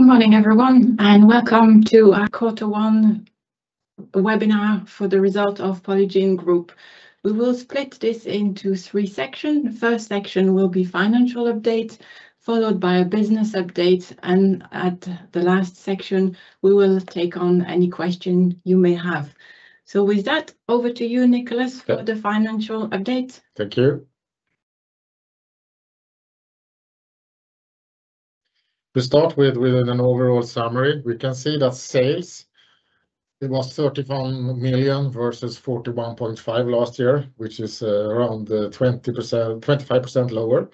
Good morning, everyone, and welcome to our Q1 Webinar for the Results of Polygiene Group. We will split this into three sections. First section will be financial update, followed by a business update, and at the last section, we will take on any question you may have. With that, over to you, Niklas. Yep For the financial update. Thank you. To start with an overall summary, we can see that sales, it was 31 million versus 41.5 million last year, which is around 25% lower.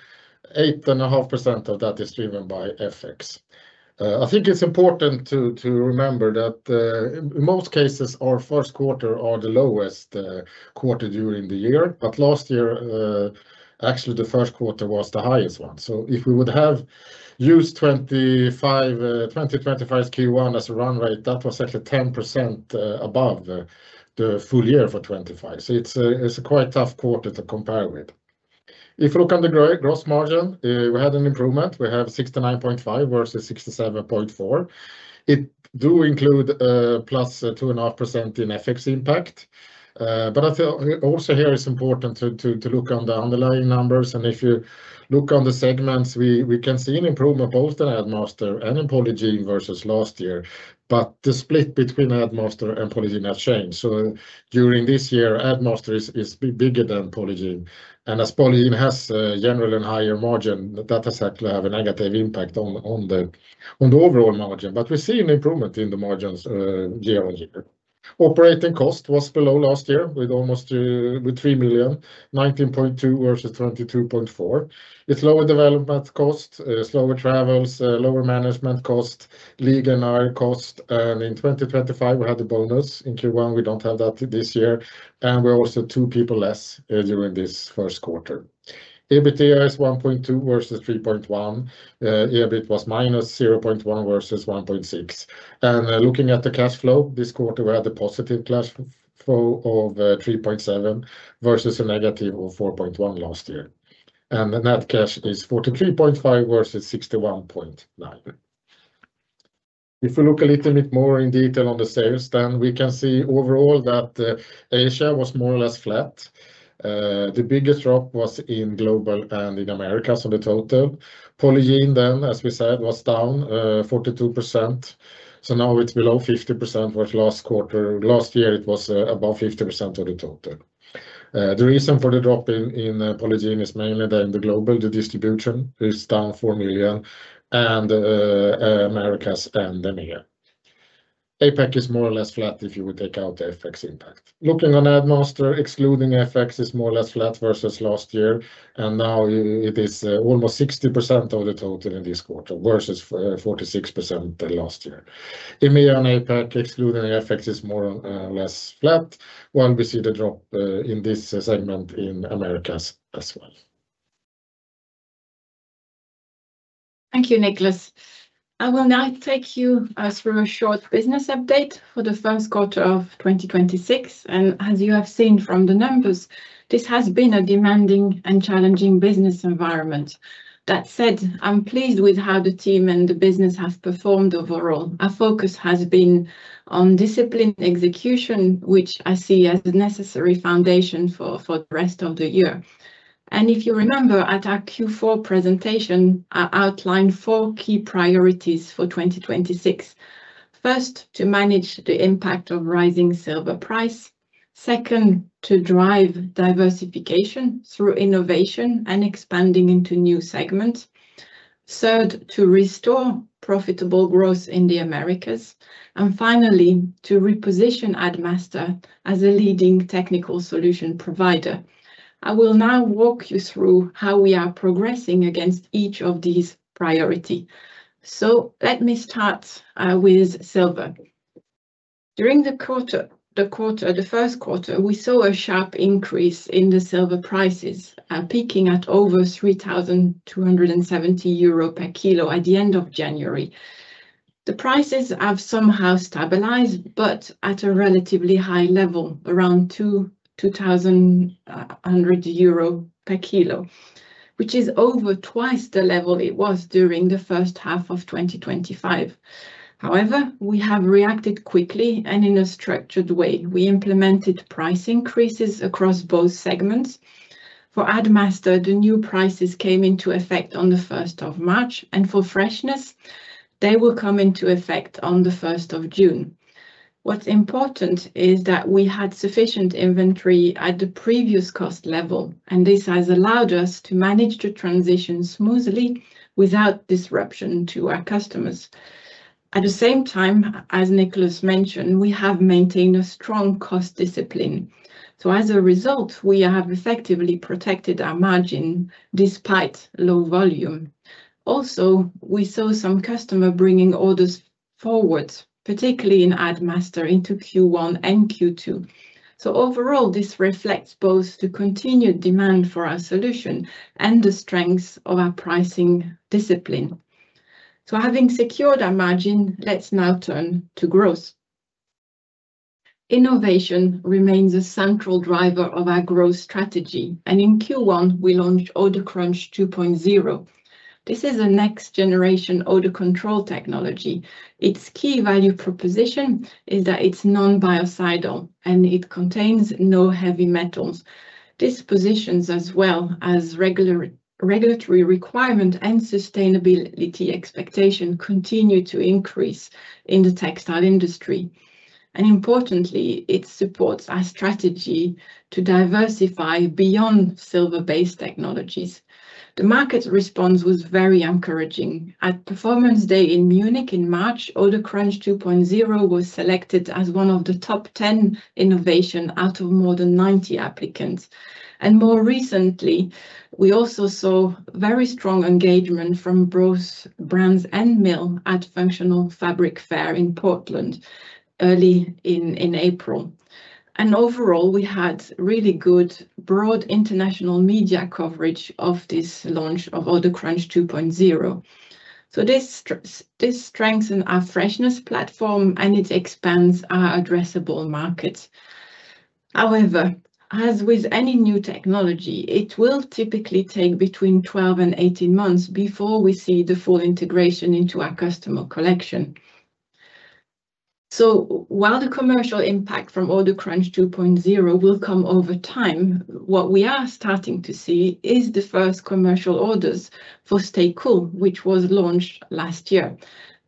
8.5% of that is driven by FX. I think it's important to remember that in most cases, our first quarter are the lowest quarter during the year. Last year, actually, the first quarter was the highest one. If we would have used 2025's Q1 as a run rate, that was actually 10% above the full year for 2025. It's a quite tough quarter to compare with. If you look on the gross margin, we had an improvement. We have 69.5% versus 67.4%. It do include +2.5% in FX impact. I feel also here it's important to look on the underlying numbers. If you look on the segments, we can see an improvement both in Addmaster and in Polygiene versus last year. The split between Addmaster and Polygiene has changed. During this year, Addmaster is bigger than Polygiene. As Polygiene has generally higher margin, that has actually have a negative impact on the overall margin. We see an improvement in the margins year-over-year. Operating cost was below last year with almost 3 million, 19.2 million versus 22.4 million. It's lower development cost, it's lower travels, lower management cost, legal and IR cost, and in 2025, we had a bonus in Q1. We don't have that this year. We're also 2 people less during this first quarter. EBITDA is 1.2 million versus 3.1 million. EBIT was -0.1 million versus 1.6 million. Looking at the cash flow, this quarter, we had a positive cash flow of 3.7 versus a of -4.1 last year. Net cash is 43.5 versus 61.9. If we look a little bit more in detail on the sales, then we can see overall that Asia was more or less flat. The biggest drop was in Global and in Americas, so the total. Polygiene then, as we said, was down 42%. Now it's below 50% for last quarter. Last year, it was above 50% of the total. The reason for the drop in Polygiene is mainly then the Global, the distribution is down 4 million and Americas and EMEA. APAC is more or less flat if you would take out the FX impact. Looking on Addmaster, excluding FX is more or less flat versus last year, and now it is almost 60% of the total in this quarter versus 46% last year. EMEA and APAC, excluding FX, is more or less flat when we see the drop in this segment in Americas as well. Thank you, Niklas. I will now take you through a short business update for the first quarter of 2026. As you have seen from the numbers, this has been a demanding and challenging business environment. That said, I'm pleased with how the team and the business have performed overall. Our focus has been on disciplined execution, which I see as the necessary foundation for the rest of the year. If you remember, at our Q4 presentation, I outlined four key priorities for 2026. First, to manage the impact of rising silver price. Second, to drive diversification through innovation and expanding into new segments. Third, to restore profitable growth in the Americas. Finally, to reposition Addmaster as a leading technical solution provider. I will now walk you through how we are progressing against each of these priority. Let me start with silver. During the first quarter, we saw a sharp increase in the silver prices, peaking at over 3,270 euro per kilo at the end of January. The prices have somehow stabilized, but at a relatively high level, around 2,200 euro per kilo, which is over twice the level it was during the first half of 2025. However, we have reacted quickly and in a structured way. We implemented price increases across both segments. For Addmaster, the new prices came into effect on the 1st of March, and for StayFresh, they will come into effect on the 1st of June. What's important is that we had sufficient inventory at the previous cost level, and this has allowed us to manage the transition smoothly without disruption to our customers. At the same time, as Niklas mentioned, we have maintained a strong cost discipline. As a result, we have effectively protected our margin despite low volume. Also, we saw some customer bringing orders forward, particularly in Addmaster, into Q1 and Q2. Overall, this reflects both the continued demand for our solution and the strength of our pricing discipline. Having secured our margin, let's now turn to growth. Innovation remains a central driver of our growth strategy. In Q1, we launched OdorCrunch 2.0. This is a next-generation odor control technology. Its key value proposition is that it's non-biocidal, and it contains no heavy metals. This positions as well as regulatory requirement and sustainability expectation continue to increase in the textile industry. Importantly, it supports our strategy to diversify beyond silver-based technologies. The market response was very encouraging. At PERFORMANCE DAYS in Munich in March, OdorCrunch 2.0 was selected as one of the top 10 innovations out of more than 90 applicants. More recently, we also saw very strong engagement from both brands and mills at Functional Fabric Fair in Portland early in April. Overall, we had really good broad international media coverage of this launch of OdorCrunch 2.0. This strengthened our freshness platform, and it expands our addressable market. However, as with any new technology, it will typically take between 12 and 18 months before we see the full integration into our customer collection. While the commercial impact from OdorCrunch 2.0 will come over time, what we are starting to see is the first commercial orders for StayCool, which was launched last year.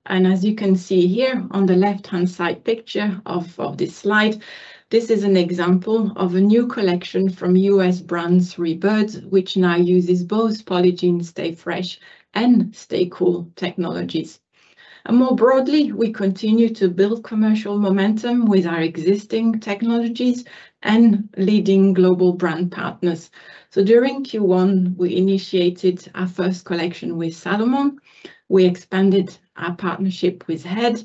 As you can see here on the left-hand side picture of this slide, this is an example of a new collection from U.S. brand 3BIRD, which now uses both Polygiene StayFresh and StayCool technologies. More broadly, we continue to build commercial momentum with our existing technologies and leading global brand partners. During Q1, we initiated our first collection with Salomon, we expanded our partnership with Head,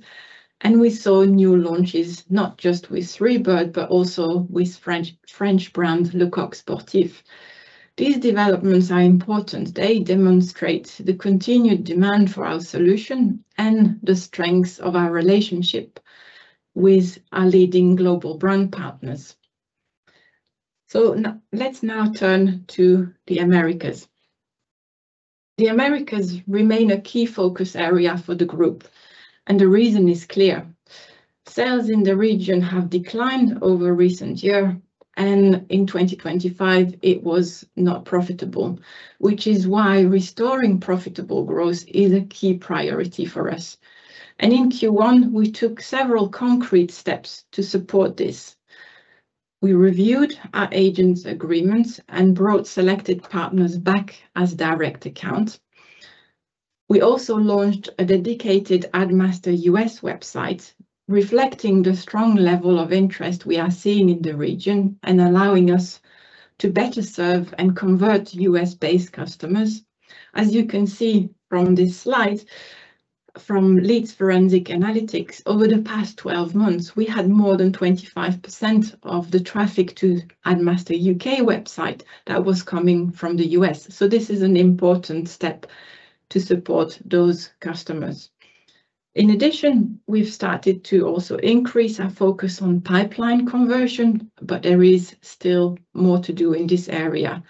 and we saw new launches not just with 3BIRD, but also with French brand Le Coq Sportif. These developments are important. They demonstrate the continued demand for our solution and the strength of our relationship with our leading global brand partners. Let's now turn to the Americas. The Americas remain a key focus area for the group, and the reason is clear. Sales in the region have declined over recent year, and in 2025 it was not profitable, which is why restoring profitable growth is a key priority for us. In Q1, we took several concrete steps to support this. We reviewed our agent's agreements and brought selected partners back as direct accounts. We also launched a dedicated Addmaster US website reflecting the strong level of interest we are seeing in the region and allowing us to better serve and convert US-based customers. As you can see from this slide from Lead Forensics, over the past 12 months, we had more than 25% of the traffic to Addmaster UK website that was coming from the US. This is an important step to support those customers. In addition, we've started to also increase our focus on pipeline conversion, but there is still more to do in this area.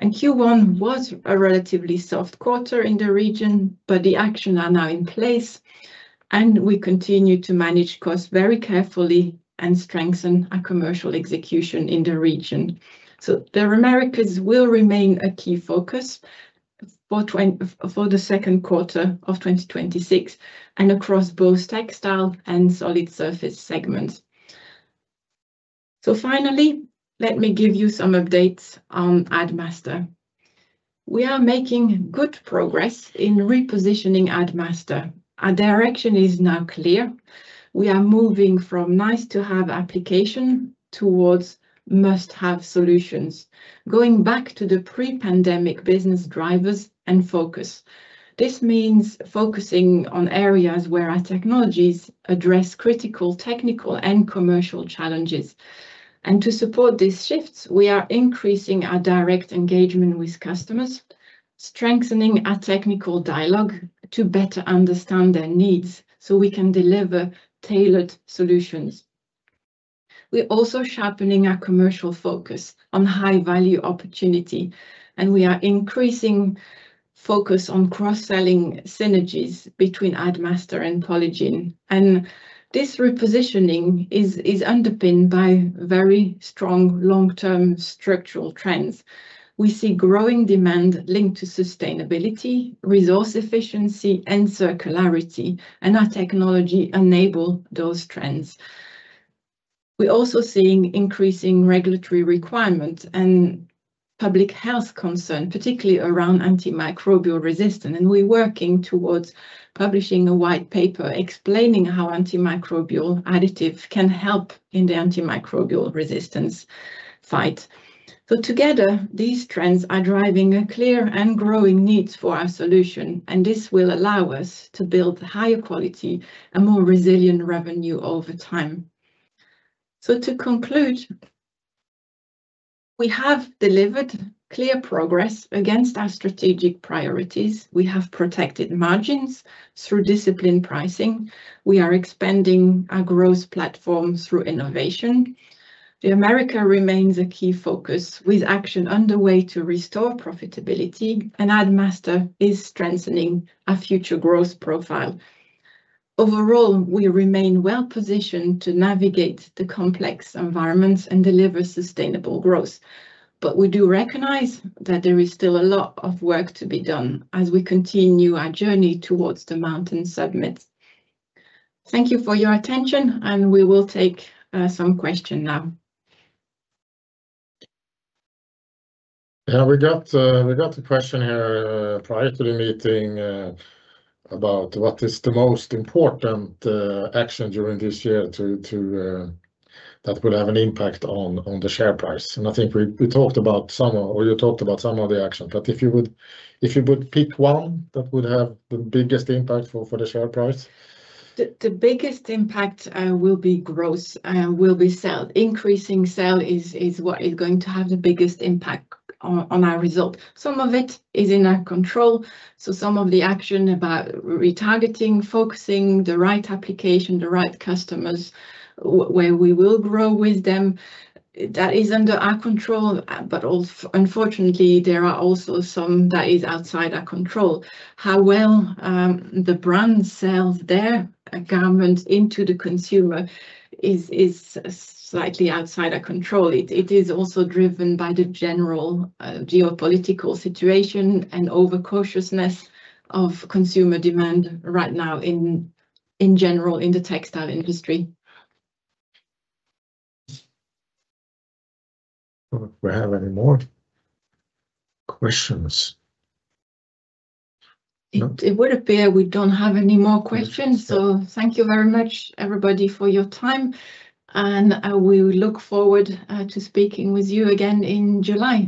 Q1 was a relatively soft quarter in the region, but the actions are now in place, and we continue to manage costs very carefully and strengthen our commercial execution in the region. The Americas will remain a key focus for the second quarter of 2026 and across both textile and solid surface segments. Finally, let me give you some updates on Addmaster. We are making good progress in repositioning Addmaster. Our direction is now clear. We are moving from nice-to-have application towards must-have solutions, going back to the pre-pandemic business drivers and focus. This means focusing on areas where our technologies address critical technical and commercial challenges. To support these shifts, we are increasing our direct engagement with customers, strengthening our technical dialogue to better understand their needs so we can deliver tailored solutions. We're also sharpening our commercial focus on high-value opportunity, and we are increasing focus on cross-selling synergies between Addmaster and Polygiene. This repositioning is underpinned by very strong long-term structural trends. We see growing demand linked to sustainability, resource efficiency, and circularity, and our technology enable those trends. We're also seeing increasing regulatory requirements and public health concern, particularly around antimicrobial resistance, and we're working towards publishing a white paper explaining how antimicrobial additive can help in the antimicrobial resistance fight. Together, these trends are driving a clear and growing need for our solution, and this will allow us to build higher quality and more resilient revenue over time. To conclude, we have delivered clear progress against our strategic priorities. We have protected margins through disciplined pricing. We are expanding our growth platform through innovation. America remains a key focus with action underway to restore profitability, and Addmaster is strengthening our future growth profile. Overall, we remain well-positioned to navigate the complex environments and deliver sustainable growth. We do recognize that there is still a lot of work to be done as we continue our journey towards the mountain summit. Thank you for your attention, and we will take some questions now. Yeah, we got a question here prior to the meeting about what is the most important action during this year that will have an impact on the share price. I think we talked about some, or you talked about some of the action. If you would pick one that would have the biggest impact for the share price? The biggest impact will be growth and sales. Increasing sales is what is going to have the biggest impact on our result. Some of it is in our control, so some of the action about retargeting, focusing the right application, the right customers, where we will grow with them, that is under our control. Unfortunately, there are also some that is outside our control. How well the brand sells their garment to the consumer is slightly outside our control. It is also driven by the general geopolitical situation and overcautiousness of consumer demand right now in general in the textile industry. We have any more questions? No. It would appear we don't have any more questions. Thank you very much, everybody, for your time, and we look forward to speaking with you again in July.